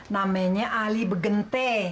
namanya ali begente